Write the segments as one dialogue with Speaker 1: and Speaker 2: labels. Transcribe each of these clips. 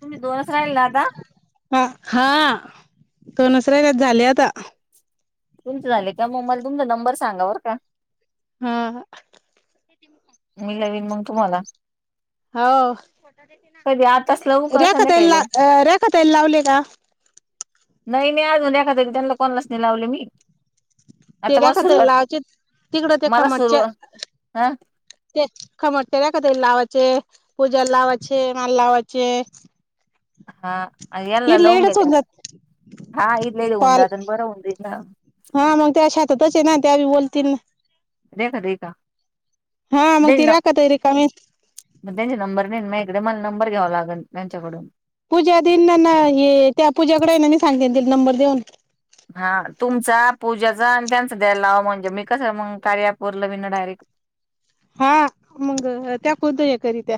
Speaker 1: तुम्ही दोरच राहील ना आता.
Speaker 2: हा हा तोनुसऱ्या गत झाले आता.
Speaker 1: तुमचं झाले त्यामुळेग मला तुमचा नंबर सांगावरर का?
Speaker 2: हा.
Speaker 1: मी जावीन मग तुम्हाला.
Speaker 2: हो
Speaker 1: कधी आताच लावू का
Speaker 2: र्याखतईला
Speaker 1: संध्याकाळी लावू
Speaker 2: ला र्याखातला लावले का?
Speaker 1: नाही मी अजून द्याखा त्यांना कोणालाच नाही लावले मी. आता मला
Speaker 2: तेऱ्याखात
Speaker 1: सुरुवात
Speaker 2: लावचे तिकडं ते
Speaker 1: मला
Speaker 2: खमटच्या.
Speaker 1: सुरुवात हा
Speaker 2: ते खमटते कत लावायचे पूजाला लावायचे माला लावायचे.
Speaker 1: हा एला
Speaker 2: इडल्या
Speaker 1: लवंग घ
Speaker 2: इडच
Speaker 1: त्या
Speaker 2: होऊन जात
Speaker 1: हा इल्ल उऊंद
Speaker 2: कॉल.
Speaker 1: अदन बर उंदि ना.
Speaker 2: हा मग त्या शातातच आहे ना त्यावे बोलतील ना.
Speaker 1: देखा देखा.
Speaker 2: हा मग
Speaker 1: दे ना
Speaker 2: दिला का मं ते रिकामी
Speaker 1: मग त्यांचे नंबर नाही मग एकदा मला नंबर घ्यावा लागल त्यांच्याकडून
Speaker 2: पूजा देईन ना ना हे त्या पूजाकडे ये ना मी सांगतेन तीला नंबर देऊन
Speaker 1: हा तुमचा पूजाचा आणि त्यांचं द्यायला लावा म्हणजे मी कसं मंग कार्या अँप वरलं मी नं डायरेक्ट
Speaker 2: हा मंग त्या कोणत्या या करित्या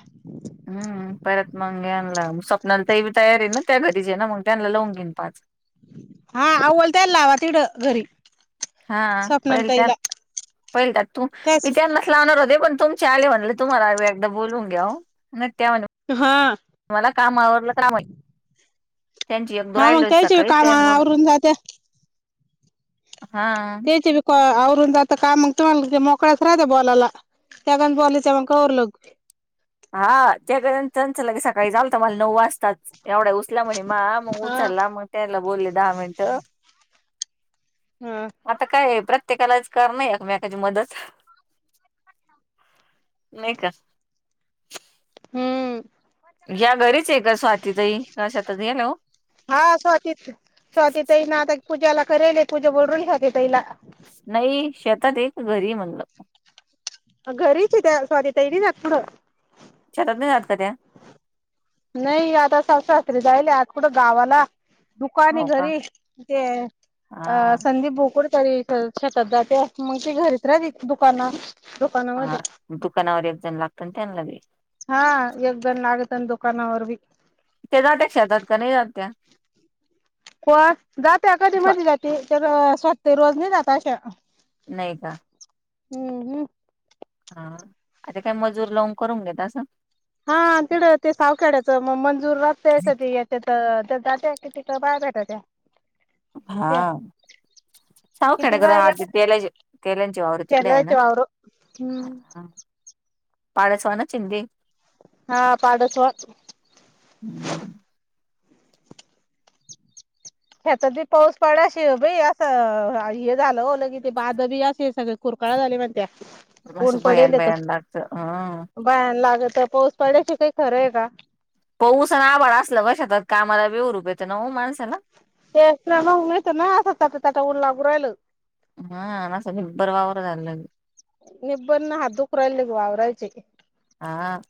Speaker 1: हम्म परत मंग यांना स्वप्नाली ताई बी तयार हे ना त्या घरीचं हे ना मग त्यांना लावून घेईन पाच
Speaker 2: हा आवतील लावा तिकडं घरी
Speaker 1: हा
Speaker 2: स्वप्नाली
Speaker 1: पहिल त्या
Speaker 2: ताईला.
Speaker 1: पहिल त्या तू
Speaker 2: त्याच
Speaker 1: विचारला हो पण तुमले म्ह तुम्हा बून घ.
Speaker 2: हा.
Speaker 1: मला काम आवरडलं कामाहि.
Speaker 2: ह मग कचव
Speaker 1: सकाळी त्या
Speaker 2: कामा
Speaker 1: बोल
Speaker 2: अरून.
Speaker 1: हा.
Speaker 2: तेचे बीरून आता कामग मोकळ्याच राहत बॉलाला. त्यागण बॉलेच मग का होर लोक.
Speaker 1: हा ज चांल के सकाळी चाल तर मला नऊ वाजताात एवढ्या. चला म्हणे मा मग
Speaker 2: हा
Speaker 1: उचलला मग त्याला बोलले दहा मिनट
Speaker 2: हा
Speaker 1: आता काय आहे प्रत्येकालाच कर नाही ना एकमेकाची मदत नाही का
Speaker 2: हम्म
Speaker 1: या घरीच आहे का स्वाती ताई काय शेतात गेल्या ओ
Speaker 2: हा स्वातीत स्वाती ताईंना आता पूजाला करेल पूजा करेल स्वाती ताईला
Speaker 1: नाही शेतात हे का घरी आहे म्हटलं
Speaker 2: घरीच आहे त्या स्वाती ताई की जातं कुड
Speaker 1: शेतात नाही हात काय त्या
Speaker 2: नाही आता सासु सासरे जायाले आज कुठं गावाला दुकान
Speaker 1: हो का
Speaker 2: घरी ते अ
Speaker 1: हा
Speaker 2: संदीप भोक री शेतात जात्या मग ती घरीच राहती दुकानात
Speaker 1: ह दुकानावर एक जण लागत ना त्यांलागे
Speaker 2: हा एकजणं लागत ना दुकानावर बी
Speaker 1: ते जात्यात शेतात का नाही जात त्या
Speaker 2: पण जात्या कधी मधी जाती स्वतत रोज नाही जाता अशा
Speaker 1: नाही का
Speaker 2: हम्म हम्म
Speaker 1: हा आता काय मजूर लावून करून घेत असं
Speaker 2: हा तेडं ते सावखेड्याचं मग मंजूर रहतय कधी तेथ ते जात कि तिकं बाहेर भेटाय त्या
Speaker 1: हा
Speaker 2: त्या किती
Speaker 1: साऊखेडेकर आ
Speaker 2: बाया
Speaker 1: तेला तेलांची वावर तिकडे आहे
Speaker 2: त्यालाचे
Speaker 1: ना
Speaker 2: वावर हम्म [inaudible]
Speaker 1: पाडं सोन चिंडी
Speaker 2: हा पाडस वा
Speaker 1: हम्म
Speaker 2: ह्यात ते पाऊस पडाशी बाई असं हे झालं लं कि ते बाध बी असे सगळ कुरकाळा झाले म्हण त्या
Speaker 1: अस भयान भयान लागत हम्
Speaker 2: भयान लागत पाऊस पडयची काही खरंय का
Speaker 1: पाऊस अन आभाळ असलं शेतात कामाला बी हुरूप येत ना ओ माणसाना
Speaker 2: येत ना असं ताटा ताटा लागू राहिलं
Speaker 1: हा ना सनी बरवावरल [unintelligible]
Speaker 2: निब्बर न हात दुखू राहिले वावराचे
Speaker 1: हा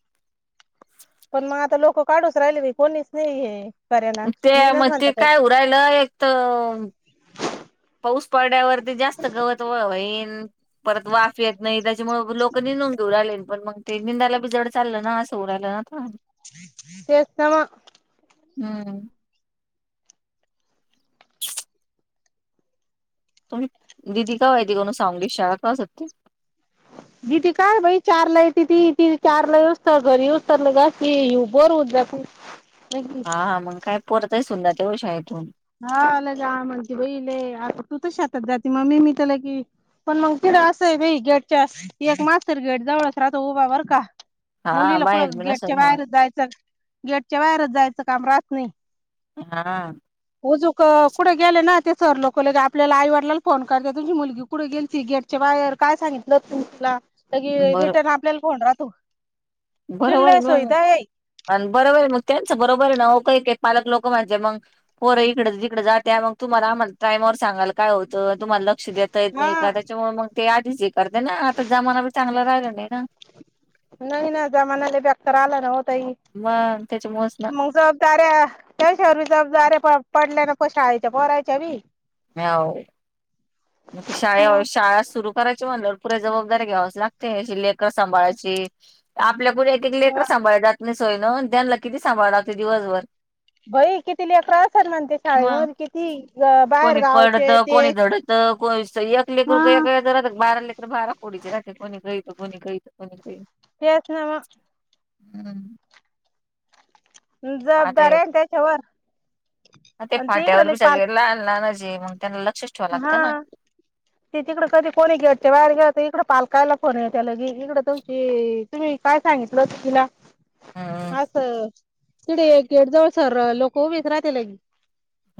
Speaker 2: पण मग आता लोक काढूच राहिले नाही कोणीच नाही हे करायला, येईनाच म्हणत्या पाऊस.
Speaker 1: राहिला एक त पाऊस पडल्यावरती जास्त गवत व व्हईन. परत वाफ येत नाही, त्याच्यामुळे लोक नींदुन घेऊ राहिले, पण मग ते निंदायला जड चालल ना असं होऊ राहिलं ना. ह.
Speaker 2: तेच ना मग.
Speaker 1: हम्म तुम्ही दिदी कवा येती कण कवा सावंगी चे शाळा कवा सुटते
Speaker 2: दीदी का बाइ चारला येति ती चारला येऊ स्तर घरी येऊस्तर बोर होऊन जाती हो
Speaker 1: हा मग काय पोर तशी होऊन जाते शाळेतून
Speaker 2: हाला ग म्हणते बईले आता तू तर शेतात जाते मम्मी मी त्याला की पण मग तिलां असंय बई गेटच्या एक मास्तर गेट जवळच राहतो उभा बरं का.
Speaker 1: हा
Speaker 2: मुलीला, कुठं
Speaker 1: बाहेर बी
Speaker 2: गेटच्या
Speaker 1: नसल
Speaker 2: बाहेरच जायचं, गेटच्या बाहेरच जायचं काम राहत नाही.
Speaker 1: हां.
Speaker 2: हो जे कुठे गेले ना ते सर लोक लगे आपल्याला आईवडिलांला फोन करते तुची मुलगी कुठे गेलती गेट च्या बाहेर काय सांगितलं तुमला, तरी
Speaker 1: बरं
Speaker 2: रिटर्न आपल्याला फोन राहतो.
Speaker 1: बरोबर
Speaker 2: तिडले
Speaker 1: ग
Speaker 2: सुविधा आहे
Speaker 1: आणि बरोबर आहे मग त्यांच बरोबर आहे ना, अवो काही काही पालक लोक म्हणजे मग पोरं हिकडं, तिकडे जातं, मग तुम्हाला आम्हाला टायमांवर सांगाल काय होतं, तुम्हाला लक्ष देत देता
Speaker 2: हा
Speaker 1: नाही का, त्याच्यामुळे मग ते आधीच हे करते ना, आता जमाना बी चांगला रागला नाही ना.
Speaker 2: नाही ना, जमाना [unintelligible] ओ ताई
Speaker 1: मग. त्याच्या मुळेच ना.
Speaker 2: तर्र त्य [unintelligible] पडल्या ना पो शाळायच्या पोरायच्या बी
Speaker 1: म्याऊ.
Speaker 2: ह
Speaker 1: म ते शाळे शाळा सुरु करायची म्हणलं पुढे जबाबदारी घ्यावाच लागते, अशी लेकर सांभाळायची. आपल्यापुढे एक- एक लेकर सांभाळल जात नाही सोईन, आणि त्यांला किती सांभाळला लागते दिवसभर.
Speaker 2: होय किती लेकरे असात म्हनते
Speaker 1: मग
Speaker 2: शाळेवर, किती अ
Speaker 1: कोणी पडत, कोणी झडतं, को एक
Speaker 2: हा
Speaker 1: लेकर एक वेळ [unintelligible] बारा लेकरु बारा होडीचे राहते, कोणी काई, त कोणी काई त, कोणी काई
Speaker 2: तेच नव्ह.
Speaker 1: हम्म.
Speaker 2: मग
Speaker 1: आता
Speaker 2: जबाबदाऱ्या त्याच्यावर
Speaker 1: ते
Speaker 2: आणि
Speaker 1: फाट्यावर
Speaker 2: इकडे
Speaker 1: बी
Speaker 2: पाल
Speaker 1: सगळे लाहान लाहान असे म्मग त्यांना लक्ष
Speaker 2: हा. ते तिकड कधी कोणी गेटच्या बाहेर गेल, की इकडं पालकाला फोन येत लगी की इकडं तुमची तुम्ही काय सांगितलं तिला?
Speaker 1: हम्म
Speaker 2: अस तिकडे गेट जवळ सर लोक उभीच राहते लगी.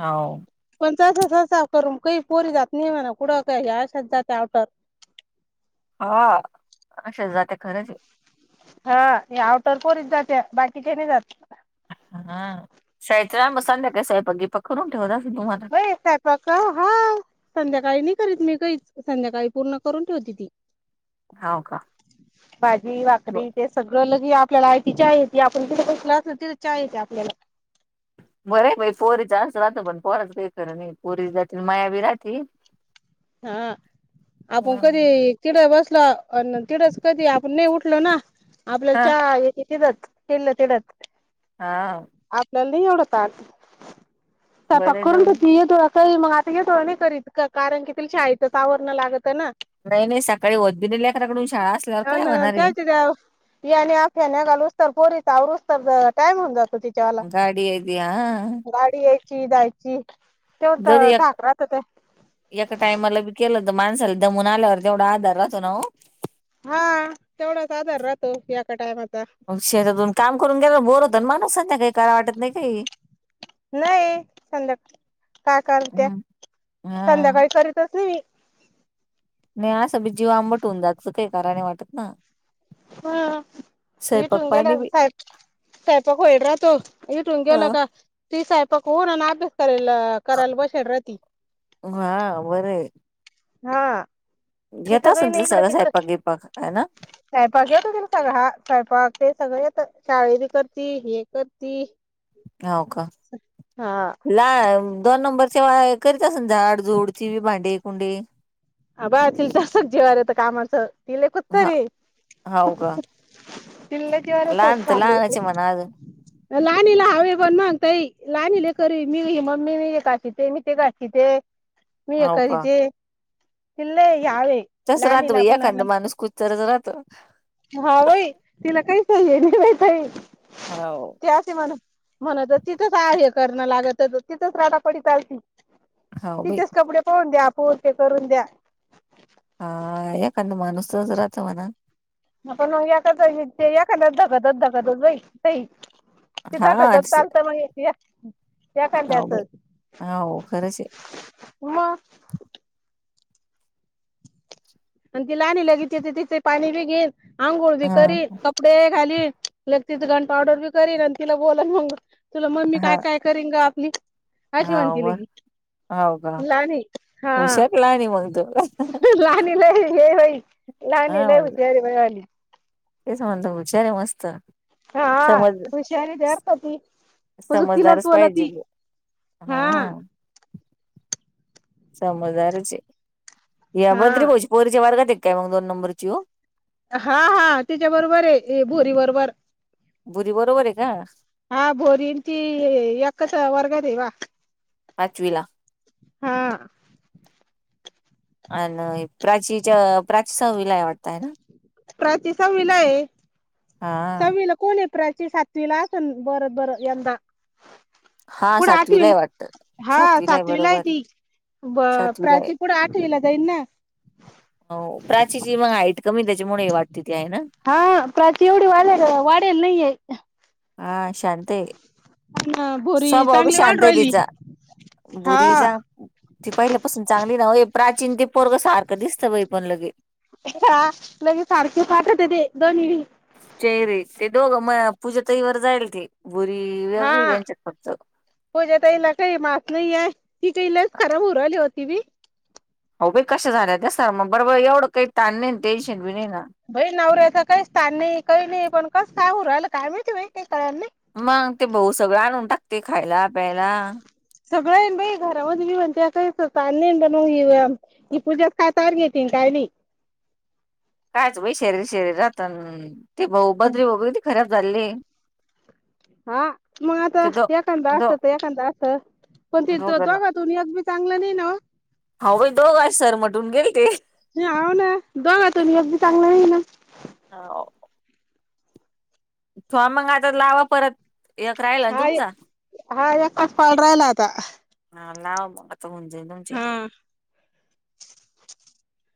Speaker 1: हाव.
Speaker 2: पण तसा- तसा करून, काही पोरी जात नाही म्हणा, कुडं काय ह्या अश्याात जाते [unintelligible]
Speaker 1: हा. अशा जाते खरं हाय.
Speaker 2: हा आउटर पोरीचं जातात, बाकीच्या नाही जात.
Speaker 1: हा [unintelligible] मग संध्याकाळी स्वयंपाक, बियंपाक करून ठेवला असेल तुम्हाला?
Speaker 2: [unintelligible] स्वयंपाक का हा. संध्याकाळी नाही करीत मी काहीच, संध्याकाळी पूर्ण करून ठेवते ती.
Speaker 1: हाव का
Speaker 2: भाजी,
Speaker 1: ब
Speaker 2: भाकरी तेऽ सगळं लगे आपल्याला आयती चहा एती,, आपण कुठं बसला असलं, तिथं चहा येती आपल्यालाऽ
Speaker 1: बरंय बाई, पोरीच असं राहातं, पण पोराचं काही खरं नाही पोरीच्या जातीला माया बी रातीऽ
Speaker 2: हा, आपून
Speaker 1: हा
Speaker 2: कधी तिकडं बसल, तिकडंच करती आपण नाही उठलो ना, आपल्याला चहा येते तिडत तील्ल तिडत,
Speaker 1: हां,
Speaker 2: आपल्याला नाही [unintelligible] स्वयंपाक
Speaker 1: बरं
Speaker 2: करून
Speaker 1: जाऊदे
Speaker 2: तो [unintelligible]
Speaker 1: नाही नाही सकाळी [unintelligible] लेकराकडून शाळा असल्यावर काय होणारे
Speaker 2: [unintelligible] ते आणि खेण्या्या घालु स्तर, पोरीच तवर टाईम होऊन जातो. जायला,,
Speaker 1: गाडी आहे ती हा
Speaker 2: गाडी यायची, जायची, तेवत
Speaker 1: जर एक
Speaker 2: झााक राहात तेऽ
Speaker 1: एका टाइम मला बी केलं तर, माणसाला दमून आल्यावर तेवढा आधार राहतो ना ओऽ
Speaker 2: हां,, तेवढाच आदार राहतो, याका टायमाचा.
Speaker 1: शेतातून काम करून गेला बोर होत आणि माणूसां काही कराय वाटत नाही काही.
Speaker 2: नाही, संध्याका काय करत्या,
Speaker 1: हम्म हा
Speaker 2: संध्याकाळी करीतच नाही मीऽ
Speaker 1: नाही असं बी जीव आंबटवून जायचं काय करायने वाटत ना.
Speaker 2: हां,
Speaker 1: स्वयंपाक
Speaker 2: हटून
Speaker 1: पाणी
Speaker 2: गेलं
Speaker 1: बी
Speaker 2: सा,, सायपाक वईन रायतो,, इटून
Speaker 1: हा
Speaker 2: गेल काऽ ती साहेपक होन, आणि अभ्यास करायला, करायला बसेल रतीऽ
Speaker 1: हा, बरंय,
Speaker 2: हां,
Speaker 1: येेत असूनतील सगळं साहेपाकि बिपाक,,, आहे ना.
Speaker 2: सावयपाक येतो तीला सगळा,, हा स्वयपाक ते सगळ येत,, शाळेरी करती, हे करती,,
Speaker 1: हो का?
Speaker 2: हा
Speaker 1: ला दोन नंबरच्या करीत असल ना झाड झूडची,,, भांडे, कुंडे
Speaker 2: अबा ति तरसच जेवाार येत कामाचं,, तिले खूत त
Speaker 1: हा
Speaker 2: रेऽ
Speaker 1: हाव का
Speaker 2: दिल्लतीि वर स
Speaker 1: लहान तर
Speaker 2: खाऽ
Speaker 1: लहानच आहे म्हणा अजून.
Speaker 2: लाणीला हवे पण मागताई,, लानीले करवी मी मम्मी नाही का ते मीऽ ते गाची ते, मी हे
Speaker 1: हो
Speaker 2: करी
Speaker 1: का
Speaker 2: ते तिल्ले या्यावेऽ
Speaker 1: तस राहतं बाई एखादा माणूस कुच तरच राहतं.
Speaker 2: हावय, तिला काही सय नाही नाही कायऽ
Speaker 1: हो,
Speaker 2: म्हण म्हणत तिथंच आहे करणं लागत, तिथंच राधा पडी चालतीऽ
Speaker 1: हो बाई
Speaker 2: तिचेच कपडे पाहून द्या, पोते करून द्या,
Speaker 1: हाखदा माणूसच राहत म्हणा.
Speaker 2: ग पण याकाच ते याकाच धकतच धकतच बाई,, सई,, ति
Speaker 1: हा
Speaker 2: दाखतात चालतं मग.
Speaker 1: हो
Speaker 2: एखाद्याच
Speaker 1: ब ई,, हो खरच,
Speaker 2: मगऽ आणि ती लाणी लगे तिचे,, तिचे,, पाणी बिघेईन आंघोळ बी
Speaker 1: हा
Speaker 2: करी,, कपडे घालीवी,, लग तिच घण पावर्डर बी करीन,, आणि तिला बोला मग तुला मम्मी काय
Speaker 1: हा
Speaker 2: काय करेन ग आपली. अशी
Speaker 1: हाव
Speaker 2: म्हणती ल
Speaker 1: व
Speaker 2: की,,,
Speaker 1: हाव
Speaker 2: लाणी हाऽ
Speaker 1: का म्हणतोऽ
Speaker 2: लणी लई हे होई,, लणी
Speaker 1: हा
Speaker 2: लेऊ
Speaker 1: म्हणलं
Speaker 2: शर भावानीऽ
Speaker 1: तेच म्हणत हुशारे मस्तऽ
Speaker 2: हा
Speaker 1: समज,,
Speaker 2: हुशारी द्याता ती मजूक तिलाच
Speaker 1: समजदारच पाहिजे.
Speaker 2: बोलती
Speaker 1: हा हा समदारचे या
Speaker 2: हा
Speaker 1: बर तरी पो पोरीच्या वार्गात काय मग दोन नंबरची हो
Speaker 2: हा हा त्यािच्या बरोबर आहे भोरी बरोबर
Speaker 1: भुरी बरोबर आहे का
Speaker 2: हा भोरींची एच वर्ग र आहे वा
Speaker 1: पाचवी ला
Speaker 2: हा
Speaker 1: आणि प्राचीच्या प्राची सवीलाय वाटतय ना
Speaker 2: प्र साविला आहे,,
Speaker 1: हा
Speaker 2: साविलाऽ कोण ए प्राची सातवी ला असल,,, बरत बरं यंदा.
Speaker 1: हा
Speaker 2: पण
Speaker 1: सातवीला
Speaker 2: आठवीला,
Speaker 1: आहे वाटत
Speaker 2: हा सातवीला आहे
Speaker 1: बरोबर
Speaker 2: ती. ब
Speaker 1: सातवीला आहे
Speaker 2: प्राची पूढ आठवला जाईलना.
Speaker 1: हो प्राची मग हाईट कमी त्याच्यामुळे वाटते ती आहे ना
Speaker 2: हा प्र एवढी वाले वाढेल नाहीये
Speaker 1: हा शांत आहे
Speaker 2: ना बोरी
Speaker 1: स्वभाव बी
Speaker 2: चांगली वाढ
Speaker 1: शांत आहे
Speaker 2: राहिली.
Speaker 1: तिचा
Speaker 2: हा.
Speaker 1: बुरी जा ती पहिल्यापासून चांगली ना प्राचीन ते पोरग सारखं दिसतं बाई पण लगेल
Speaker 2: हा लगे सारखे पाठवते ते दोन हडी
Speaker 1: चेहरे ते दोघं म पूज तई वर जाईल ते बुरी वेगळी त्यांच्यात फक्त
Speaker 2: पज्या तईला काही मात नाही आहे ती काईलाच खराब उऊरली होती मी
Speaker 1: हो बा कशा झाल्या त्या सर मग बरं एवढं काही ताण नाही टेन्शन बी नाही ना
Speaker 2: भाई नवरऱ्याचा काही स्थान नाही काही नाही पण कस सहू राहिलं कायमती बाई काही कळ्यां नाही
Speaker 1: मग ते भाऊ सगळं आणून टाक ते खायला पियला
Speaker 2: सगळं आहे बा घरामध्ये मी म्हणते काही तग ह पूजा काय तार घेेतन काय नाही
Speaker 1: कायच भाई शरीर शरीरात ते भाऊ बदरी बबी खराब झाली
Speaker 2: हा मग आता एखादा
Speaker 1: दो
Speaker 2: असत तर एखादा असत पण त
Speaker 1: दोघं
Speaker 2: दोघ दुन अत बी चांगलं नाही ना
Speaker 1: हो भाई दोघज सरमटून गेल ते
Speaker 2: नाही आ ना दोघ आ त मी अगदी चांगलं नाही ना
Speaker 1: हा ो मंग आता लावा परत एक राहिला ना
Speaker 2: हा
Speaker 1: तुमचा
Speaker 2: हा एकाच पाड राहिला आता
Speaker 1: हा लाव आता म्हते तुमचे
Speaker 2: हा [inaudible]